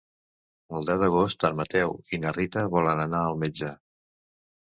El deu d'agost en Mateu i na Rita volen anar al metge.